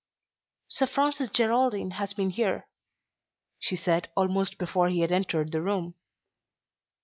"Sir Francis Geraldine has been here," she said almost before he had entered the room.